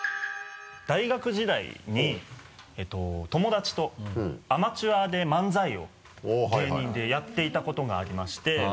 大学時代に友達とアマチュアで漫才を芸人でやっていたことがありまして。